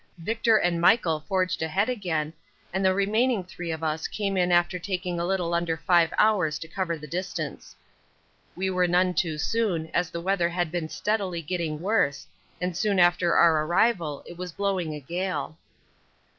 Victor and Michael forged ahead again, and the remaining three of us came in after taking a little under five hours to cover the distance. We were none too soon, as the weather had been steadily getting worse, and soon after our arrival it was blowing a gale.